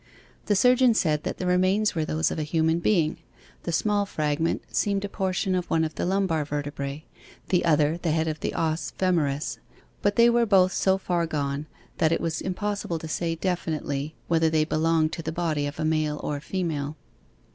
The surgeon said that the remains were those of a human being. The small fragment seemed a portion of one of the lumbar vertebrae the other the head of the os femoris but they were both so far gone that it was impossible to say definitely whether they belonged to the body of a male or female.